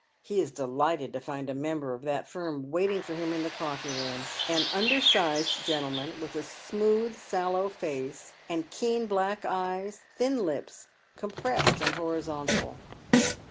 He is delighted to find a member of that firm waiting for him in the coffee room, an undersized gentleman, with a smooth sallow face and keen black eyes, thin lips, compressed and horizontal.